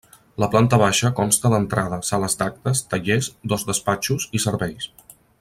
La planta baixa consta d'entrada, sala d'actes, tallers, dos despatxos i serveis.